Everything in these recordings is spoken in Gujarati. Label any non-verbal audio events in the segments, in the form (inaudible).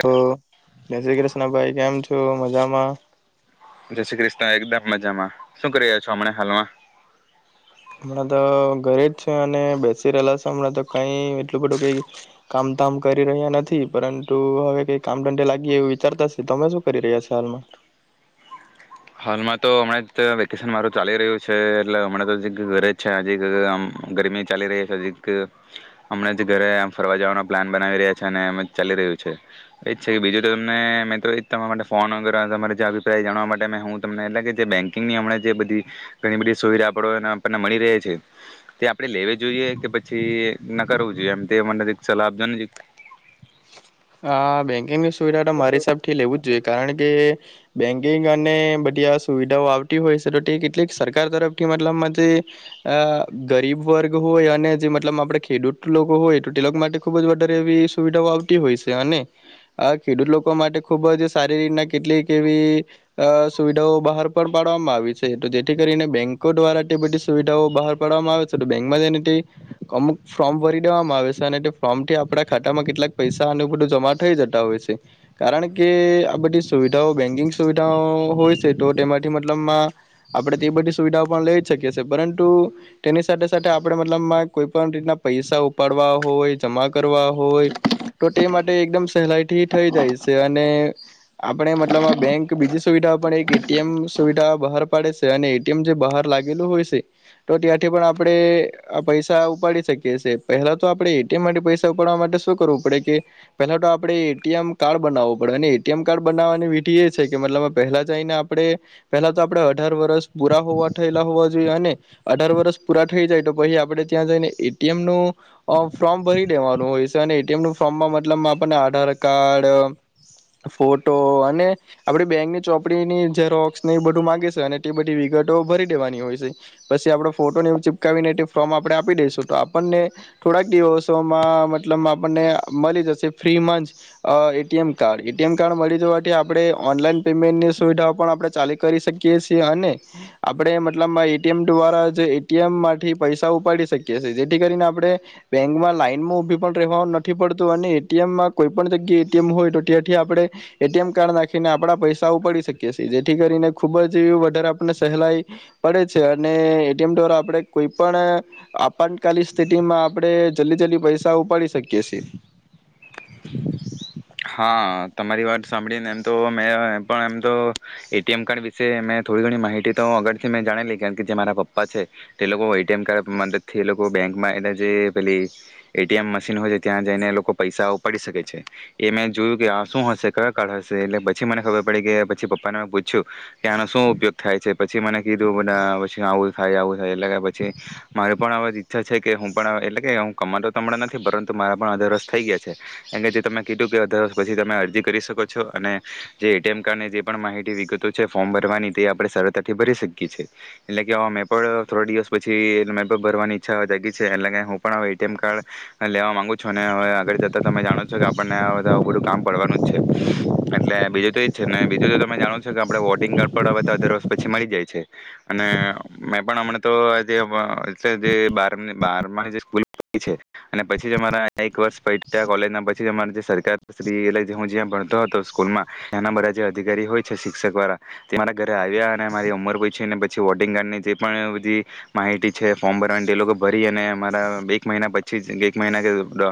તો જય શ્રી કૃષ્ણ ભાઈ કેમ છો મજામાં? હાએકદમ મજામાં, શું કરી રહ્યા છો હમણા હાલમાં? હમણાં તો ઘરે જ છે અને બેસી રેહલા છે, હમણાં તો કઈ એટલું બધું કંઈ કામ તામ કરી રહ્યા નથી પરંતુ હવે કઈ કામધંધે લાગી એવું વિચારતા સે, તમે શું કરી રહ્યા છો હાલમાં? હાલમાં તો અમણાં જ તો વેકેશન મારું ચાલી રહ્યું છે એટલે અમણાં તો જે ઘરે જ છે હજી આમ ગરમી ચાલી રહી છે હજીક હમણાં જ ઘરે આમ ફરવા જવાનો પ્લાન બનાવી રહ્યા છે અને અમુક જ ચાલી રહ્યું છે, એ જ છે કે બીજું તો તમને મે તો એજ તમારા માટે ફોન વગરે અભિપ્રાય જાણવા માટે તમે હું તમને એટલે કે બેકિંગની અમણે જે બધી ઘણી બઢી સુવિઢા આપડો એ ને આપણને મળી રેહ છે, તે આપડે લેવી જોઈએ કે પછી ના કરવું જોઈએ એમ તે (unintelligible) સલાહ આપજો ને જીક હા બેંકિંગની સુ વિઢા તો મારી હિસાબથી લેવું જ જોઈએ, કારણ કે બેંકિંગ અને બધી આ સુવિધાઓ આવતી હોય સે ટો ટે કેટલીક સરકાર તરફથી મતલબમાં જેઅ ગરીબ વર્ગ હોય અને જે મતલબમાં આપણે ખેડૂત લોકો હોય ટો ટે લોક માટે ખુબ જ વધારે એવી સુવિધાઓ આવતી હોય છે. અને આ ખેડૂત લોકો માટે ખુબ જ સારી રીતના કેટલીક એવી અ સુવિધાઓ બહાર પણ પાડવામાં આવી છે, તો જેથી કરીને બેંકો દ્વારા તે બધી સુવિધાઓ બહાર પાડવામાં આવે સે, તો બેંકમાં જેઈને તે અમુક ફોર્મ ભરી દેવામાં આવે સે અને તે ફોર્મથી આપણા ખાતામાં કેટલાક પૈસા અને બઢુ જમા થઈ જતા હોય છે, કારણ કે આ બધી સુવિઢાઓ બેન્કિંગ સુવિઢાઓ હોય છે, તો તેમાંથી મતલબમાં આપણે તે બધી સુવિધાઓ પણ લઈ શકીએ છીએ પરંતુ, ટેની સાથે સાથે આપણે મતલબમાં કોઈ પણ રીતના પૈસા ઉપાડવા હોય જમા કરવા હોય, તો ટે માટે એકદમ સહેલાઈથી થઈ જાય સે અને આપણે મતલબ આ બેંક બીજી સુવિઢા પણ એક એ ટી એમ સુવિઢા બહાર પાડે સે અને એ ટી એમ જે બહાર લાગેલું હોય સે, ટો ત્યાંથી પણ આપડે આ પૈસા ઉપાડી શકીએ સે, પહેલા તો આપણે એ ટી એમ માટે પૈસા ઉપાડવા માટે શું કરવું પડે કે પેલા તો આપડે એ ટી એમ કાર્ડ બનાવવું પડે અને એ ટી એમ કાર્ડ બનાવવાની વિઢિ એ છે કે મતલબ માં પહેલા જઈને આપડે પહેલા તો આપડે અઢાર વરસ પૂરા હોવા થયેલા હોવા જોઈએ અને અઢાર વરસ પૂરા થઈ જાય, તો પછી આપડે ત્યાં જઈને એ ટી એમનું ફોર્મ ભરી લેવાનું હોય સે અને એ ટી એમ નું ફોર્મમાં મતલબમાં આપણને આધાર કાર્ડ, ફોટો અને આપણી બેંકની ચોપડીની જેરોક્સને એ બધું માગે છે અને તે બધી વિગતો ભરી ડેવાની હોય સે, પસી આપણો ફોટોને એવું ચીપકાવીને ફોર્મ આપણે આપી દઈશું તો આપણને થોડાક દિવસોમાં મતલબમાં આપણને મલી જશે ફ્રીમાં જ અ A T M card, A T M card મલી જવાથી આપણે ઓનલાઈન પેમેન્ટની સુવિધાઓ પણ આપણે ચાલી કરી શકીએ છીએ અને આપડે મતલબમાં એ ટી એમ દ્વારા જે એ ટી એમ માંઠી પૈસા ઉપાડી શકીએ સે, જેઠી કરીને આપણે બેંકમાં લાાઈનમાં ઉભી પણ રહેવા ન થી પડતું અને એ ટી એમમાં કોઈ પણ જગ્યા એ ટી એમ હોય તો ત્યાંથી આપડે એ ટી એમ કાર્ડ નાખીને આપણા પૈસા ઉપાડી શકીએ છીએ, જેથી કરીને ખુબ જ વધારે આપણને સહેલાઈ પડે છે અને એ ટી એમ દ્વારા આપડે કોઈ પણ આપાતકાલી સ્થિતિમાં આપડે જલ્દી જલ્દી પૈસાઓ ઉપાડી શકી કેસે હા તમારી વાત સાંભળી ને એમ તો મે પણ એમ તો એ ટી એમ કાર્ડ વિશે મે થોડી ઘણી માહિતી તો અગાળથી મેં જાણેલી કાણ કે જે મારા પપ્પા છે, તે લોકો એ ટી એમ કાર્ડ મદદ થી એ લોકો બેંકમાં એ જે પેલી એ ટી એમ મશીન હોય ત્યાં જઈને લોકો પૈસા ઉપાડી શકે છે. એ મેં જોયું કે આ શું હશે? કયો કાર્ડ હશે? એટલે પછી મને ખબર પડી કે પછી પપ્પાને મેં પૂયછુ કે આનો શું ઉપયોગ થાય છે? પછી મને કીધું બઢા આવું છે આવું થાય એટલે પછી, મારી પણ અવે ઈચ્છા છે કે હું પણ અવે એટલે કે ઉં કમાતો તો અમણાં નથી, પરંતુ મારા પણ અધારસ થઈ ગયા છે, એમ કે જે તમે કીધુ સે અધાવરસ પછી તમે અરજી કરી શકો છો અને જે એ ટી એમ કાર્ડની જે પણ માહિતી વિગતો છે ફોર્મ ભરવાની તે આપડે સરળતાથી ભરી શકીયે છીએ એટલે કે મેં પણ થોડા દિવસ પછી મે (unintelligible) ભરવાની ઈચ્છા જાગી છે એટલે કે હું પણ એ ટી એમ કાર્ડ લેવા માંગુ છું અને હવે આગળ જતા તમે જાણો છો કે આપ કામ પડવાનું જ છે, એટલે બીજું તો એજ છે ને બીજું તો તમે જાણો છો કે આપે વોટિંગ કાર્ડ પણ આવે તો અધાર વર્ષ પછી મળી જાય છે અને મે પણ હમણા તો આ જે (unintelligible) અને પછી અમારા એક વર્ષ (unintelligible) કોલેજના છે અમાન જે સરકાર એટલે હું જ્યાં ભણતો હતો સ્કૂલમાં, ત્યાંના બધા જે અધિકારી હોય છે શિક્ષક વાળા, તે મારા ઘરે આવ્યા અને મારી ઉંમર પૂયછી ને પછી વોટિંગ કાર્ડની જે પણ બધી માહિતી છે ફોર્મ ભરવાની તે એ લોકો ભરી અને મારા એક મહિના પછી જ એક મહિના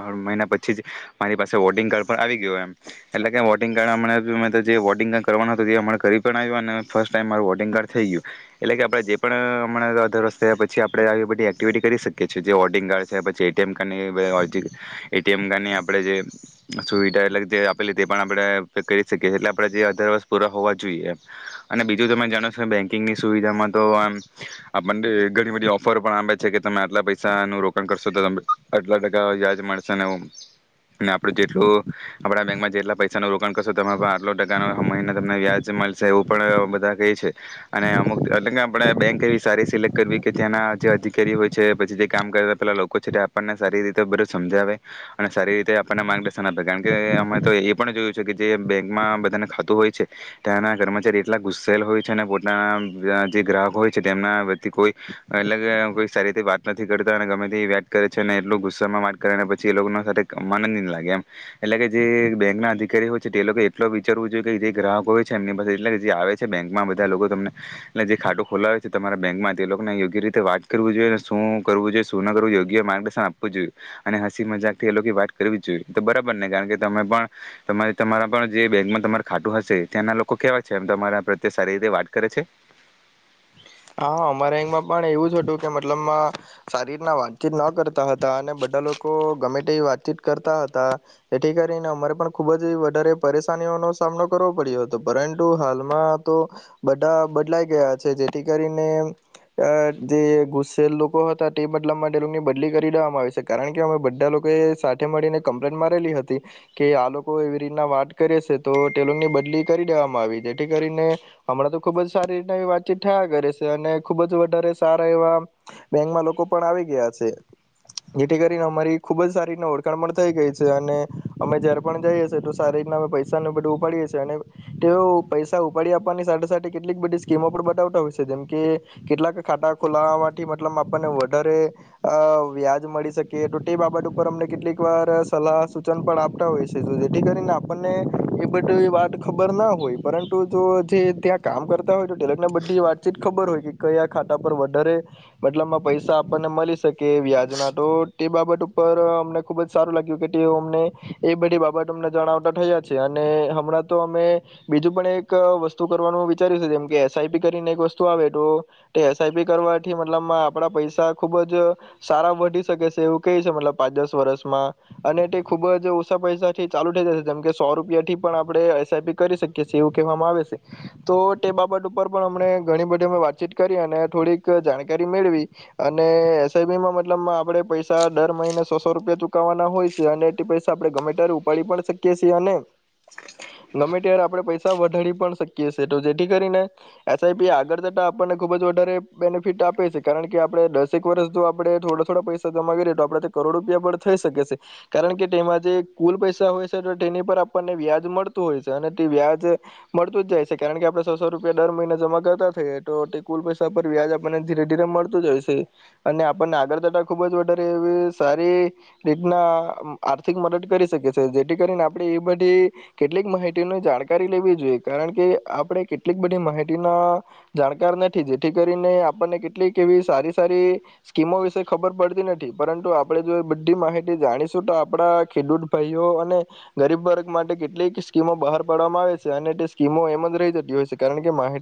(unintelligible) મહિના પછી જ મારી પાસે વોટિંગ કાર્ડ પણ આવી ગયો એમ એટલે કે વોટિંગ કાર્ડ અમણા જે વોટિંગ કાર્ડ કરવાનું હતું તે હમણા કરી પણ આયવો અને ફર્સ્ટ ટાઈમ મારું વોટિંગ કાર્ડ થઈ ગયું, એટલે કે આપણે જે પણ અમણા અધાર વર્ષ થયા પછી આપડે આવી બધી એક્ટિવિટી કરી શકીએ છીએ, જે વોટિંગ કાર્ડ છે પછી એ ટી એમ કાર્ડ નેએ બધા (unintelligible) એ ટી એમ કાર્ડની આપણે જે સુવિધા એટલે જે આપેલી પણ આપણે કરી શકીએ એટલે આપણે જે અઢાર વર્ષ પૂરા હોવા જોઈએ, અને બીજું તમે જાણો છો બેંકિંગની સુવિધામાં તો આમ, આપણને ઘણી બધી ઓફર પણ આપ છે કે તમે આટલા પૈસાનું રોકાણ કરશો તો આટલા ટકા વયાજ મળશે ને અને આપડું જેટલું, આપણા બેંકમાં જેટલા પૈસા ન રોકાણ કરશો ત આટલો ટકાનો મહિને તમને વ્યાજ મળશે એવું પણ બધા ક છે, અને અમુક એટલે કે આપણે બેંક એવી સારી સિલેક્ટ કરવી કે ત્યાંના જે અધિકારી હોય છે પછી જે કામ કરતા પેલા લોકો છે તે આપણને સારી રીતે બધ સમજાવે, અને સારી રીતે આપ માર્ગદર્શન આપે કારણ કે અમે તો એ પણ જોયું છે કે જે બેંકમાં બધાને ખાતું હોય છે, ત્યાંના કર્મચારી એટલા ગુસ્સેલ હોય છે અને પોતાના જે ગ્રાહકો હોય છે તેમનાથી કોઈ, એટલે કે સારી રીતે વાત નથી કરતા ગમે વત કરે છે અને એટલ ગુસ્સામાં વાત કરે પછી એ લોકો સાથે નંદ લાગે એમ, એટલે કે જે બેંક ના અધિકારી હોય છે તે લોકો એટલો વિચારવું જોઈએ કે જે ગ્રાહકો હોય છે એમની પાસે એટલે જે આવે છે બેંકમાં બધા લોકો તમને, એ જે ખાટું ખોલાવે છે તમારા બેંકમાં તે લોકોને યોગ્ય રીતે વાત કરવવી જોઈએ શું કરવું જોઈએ શું ના કરવું જો યોગ્ય માર્ગદર્શન આપવું જોઈએ, અને હસી મજાક થી એ લોકો ને વાત કરવી જોઈએ તો બરાબર ને કારણ કે તમે પણ, તમારા પણ જે બેંકમાં તમાર ખાતું હશે ત્યાંના લોકો કેવાક છે, એમ તમારા પ્રત્યે સારી રીતે વાત કરે છે? હા અમારે અમાં પણ એવું જ હતું કે મતલબમાં, સારી રીતના વાતચીત ન કરતા હતા અને બધા લોકો ગમે તે વાતચીત કરતા હતા, જેથી કરીને અમારે પણ ખુબ જ વધારે પરેશાનીઓનો સામનો કરવો પડ્યો હતો પરંતુ હાલમાં તો, બધા બદલાઈ ગયા છે જે જેથી કરીને જે ગુસ્સેલ લોકો હતા તે બદલામાં ટે ની બદલી કરી દેવામાં આવી છે કારણ કે અમે બધા લોકો એ સાથે મળીને કમ્પ્લેન મારેલી હતી, કે આ લોકો એવી રીતના વાત કરે છે તો ટેલની બદલી કરી દેવામાં આવી જેથી કરીને, હમણાં તો ખુબ જ સારી રીતના એવી વાતચીત અને ખુબ જ વધારે સારા એવા, બેંકમાં લોકો પણ આવી ગયા છે, જેથી કરીને અમારી ખુબ જ સારી રીતના ઓળખણ પણ થઇ ગઈ છે અને, અમે જયારે પણ જઈએ છીએ તો સારી રીતના અમે પૈસા ન બધું ઉપાડીએ છીએ અને, તેઓ પૈસા ઉપાડી આપવાની સાથે સાથે કેટલીક બધી સ્કીમો પણ બ જે કે, કેટલાક ખાતા ખોલાવાથી મતલબ આપણને વધારે વ્યાજ મળી શકે તો તે બાબત ઉપર અમને કેટલીક વાર સલાહ સૂચન પણ આપતા હોય છે જેથી કરીને આપણને, એ બધી વાત ખબર ના હોય પરંતુ જો જે ત્યાં કામ કરતા હોય તો તેને વાતચીત ખબર હોય કે કયા ખાતા પર વધારે, મતલબમાં પૈસા આપણને મળી શકે વ્યાજના તો તે બાબત ઉપર અમને ખુબ જ સારું લાગ્યું કે તે અમને, એ બધી બાબત અમને જણાવતા થયા છે અને હમણાં તો અમે, બીજું પણ એક વસ્તુ કરવાનું વિચાર્યું છે જેમ કે એસ આઈ પી કરીને એક વસ્તુ આવે તો, તે એસ આઈ પી કરવાથી મતલબ આપડા પૈસા ખુબ જ, સારા વધી શકે છે એવું કહી છે મતલબ પાંચ દસ વર્ષમાં, અને તે ખુબ જ ઓછા પૈસા થી ચાલુ થઈ જશે જેમ કે સો રૂપિયા થી પણ આપણે એસ આઈ પી કરી શકીએ એવું કહેવામાં આવે છે, તો તે બાબત ઉપર પણ અ ઘણી બધી અમે વાતચીત કરી અને થોડીક જાણકારી મેળવી, અને એસ આઈ પીમાં મતલબ આપડે પૈસા દર મહિને સોસો રૂપિયા ચુકવવાના હોય છે અને એ પૈસા આપે ગમે ત્યારે ઉપાડી પણ શકીએ છીએ, અને ગમે ત્યારે આપડે પૈસા વધાડી પણ શકીએ છે તો જેથી કરીને એસ આઈ પી આગળ જતા આપણને ખુબ જ વધારે બેનિફિટ આપે છે કારણ કે આપણે દસેક વર્ષ જો આપણે થોડા થોડા પૈસા જમા કરીએ તો આપણે કરોડ રૂપિયા પર થઈ શકે છે, કારણ કે તેમાં જે કુલ પૈસા હોય છે તો તેની પર આપણને વ્યાજ મળતું હોય છે અને તે વ્યાજ, મળતું જ જાય છે કારણ કે આપણે સો સો રૂપિયા દર મહિના કરતા તો કુલ પૈસા પર વ્યાજ આપણને ધીરે ધીરે મળતું જ હોય છે, અને આપણને આગળ તતા ખુબ જ વધારે એવી સારી રીતના આર્થિક મદદ કરી શકે છે જેથી કરીને આપણે એ બધી, કેટલીક માહિતીની જાણકારી લેવી જોઈએ કારણ કે આપણે કેટલીક બધી માહિતી જાણકાર નથી જેથી કરીને આપણને કેટલીક એવી સારી સારી સ્કીમો વિશે ખબર પડતી નથી પરંતુ આપણે જો એ બધી માહિતી જાણીશું તો આપણા ખેડૂત ભાઈઓ અને ગરીબ વર્ગ માટે કેટલીક સ્કીમો બહાર પાડવામાં આવે છે અને તે સ્કીમો એમ જ રહી જતી હોય છે કારણ કે માહિતી અ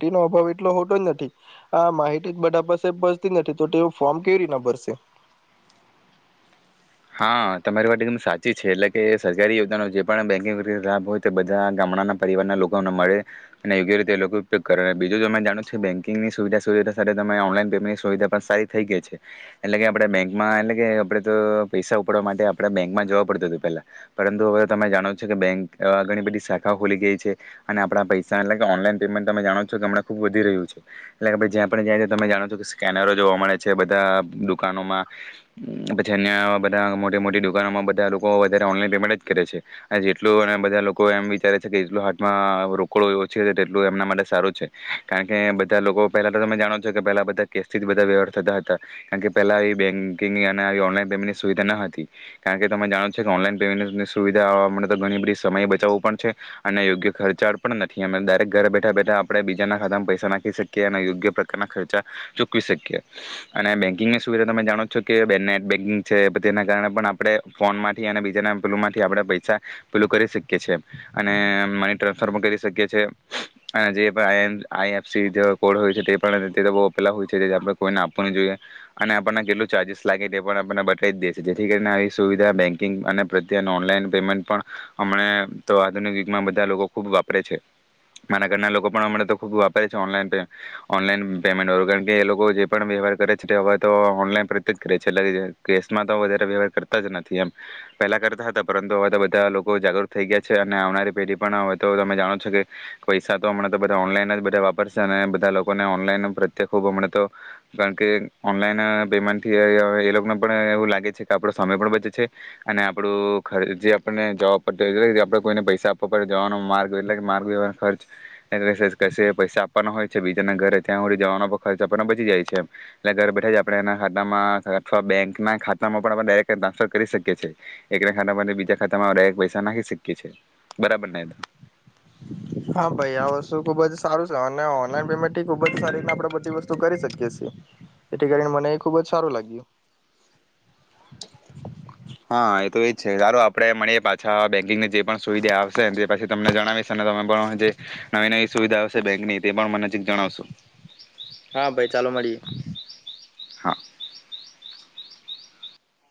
એટલો હોતો જ નથી આ માહિતી બધા પાસે ભતી નથી તો તે ફોર્મ કેવી રીના ભરશે? હા તમારી માટે એકદમ સાચી છે એટલે કે સરકારી યોજાનો જે પણ બેન્કિંગતે લાભ હોય તે બધા ગામડાના પરિવારના લોકોને મળે અને યોગ્ય રીતે એ લોકો ઉપયોગ કરે બીજું તમે જાણું છ છે બેન્કિંગની સુવિધા સુવિધા સાથે તમે ઓનલાઈન પેમેન્ટની સુવિધા પણ સારી થઈ ગઈ છે એટલે કે આપણે બેંકમાં એટલે કે આપણે તો પૈસા ઉપડવા માટે આપણે બેંકમાં જવા પડતું હતું પેલા પરંતુ હવે તમે જાણો છો કે બેંક ઘણી બધી શાખાઓ ખુલી ગઈ છે અને આપણા પૈસા એટલે ઓનલાઈન પેમેન્ટ તમે જાણો છો કે હમણાં ખુબ વધી રહ્યું છે એટલે કે જ્યાં જાય તમે જાણો છો કે સ્કેનરો જોવા મળે છે બધા દુકાનોમાં પછી અન્ય મોટી મોટી દુકાનોમાં બધા લોકો વધારે ઓનલાઈન પેમેન્ટ જ કરે છે અને જેટલું અને બધા લોકો એમ વિચારે છે કે જેટલું હાથમાં રોકડો ઓછી તેટલું એમના માટે સારું છે કારણ કે બધા લોકો પહેલા તો તમે જાણો છો કે પેલા બધા કેસથી જ બધા વ્યહાર થતા હતા કારણ કે પેલા આવી બેન્કિંગ અને આવી ઓનલાઈન પેમેન્ટ સુવિધા ન હતી કારણ કે તમે જાણો છો કે ઓનલાઈન પેમેન્ટની સુવિધા આવવા માટે તો ઘણી બધી સમય બચાવવું પણ છે અને યોગ્ય ખર્ચા પણ નથી અ ડાયરેક ઘરે બેઠા બેઠા આપણે બીજાના ખાતામાં પૈસા નાખી શકીએ અને યોગ્ય પ્રકારના ખર્ચા ચૂકવી શકીએ અને બેન્કિંગની સુવિધા તમે જાણો છો કે બે નેટ બેન્કિંગ તેના કારણે પણ આપણે ફોનમાંથી અને બીજાના પેલમાંથી આપણે પૈસા પેલું કરી શકીએ છીએ અને મની ટ્રાન્સફર પણ કરી શકીએ છીએ અને જે આઈએફસી કોડ હોય છે તે પણપેલા હોય છે જે આપણે કોઈને આપવું ન જોઈએ અને આપણને કેટલું ચાર્જિસ લાગે તે પણ આપને બ ખરી દે છે જેથી કરીને આવી સુવિધા બેન્કિંગ અને પ્રત્યે અને ઓનલાઈન પેમેન્ટ પણ અમ તો આધુનિક ુગમાં બધા લોકો ખૂબ વાપરે છે મારા ઘરના લોકો પણ અમ તો ખુબ વાપરે છે ઓનન ઓનલાઈન પેમેન્ટળ કારણ કે એ લોકો જે પણ વ્યવહાર કરે છે હવે તો ઓનલાઈન પ્રત્યે જ કરે છે. કેસમાં તો વધારે વ્યવહાર કરતા જ નથી એમ પહેલા કરતા હતા પરંતુ હવે તો બધા લોકો જાગૃત થઈ ગયા છે અને આવનારી પેઢી પણ હવે તો તમે જાણો છો કે પૈસા તો હમણાં તો બધા ઓનલાઈન જ બધા વાપરશે અને બધા લોકોને ઓનલાઈન પ્રત્યે ખૂબ હમણાં તો કારણ કે ઓનલાઈન પેમેન્ટ થી એ લોકો એવું લાગે છે કે આપડો સમય પણ બચે છે અને આપડું ખચ જે આપણને જવા પડ આપડે કોઈને પૈસા આપવા પડે જવાનો માર્ગ એટલે માર્ગ ખર્ચ પૈસા આપવાનો હોય છે બીજાના ઘરે ત્યાંી જવાનો ખર્ચ આપને બચી જાય છે એમ એટલે ઘર બેઠા જ આપણે એના ખાતામાં અથવાતો બેંક ખાતામાં પણ આપણે ડાયરેક્ટ ટ્રાન્સફર કરી શકીએ છીએ છે. એક ના ખાતામાં બીજા ખાતામાં ડાયરેક પૈસા નાખી શકીએ છીએ બરાબર ને. હા ભાઈ આ વસ્તુ ખુબ જ સારું છે અને ઓનઈન પેમેન્ટ ખુબ જ સારી આપણેે બધી વસ્તુ કરી શકી છીએ એથી કરીને મને એ ખુબ જ સારું લાગ્યું. હા એ તો એજ છે સારું આપડે મળીએ પાછા બેંકિંગની જે પણ સુવિધા આવશે પછી તમને જણાવીશ તમે પણ જે નવી નવી સુવિધા આવશે બેંકની તે પણ મને નજીક જણાવશું. હા ભાઈ ચાલો મળીએ.